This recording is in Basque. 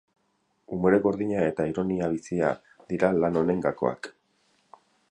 Umore gordina eta ironia bizia dira lan honen gakoak.